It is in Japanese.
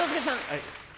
はい。